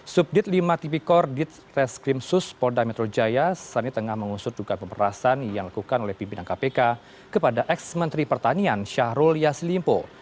subdit lima tipikor ditreskrim sus polda metro jaya saat ini tengah mengusut duga pemperasaan yang dilakukan oleh pimpinan kpk kepada ex menteri pertanian syahrul yaslimpo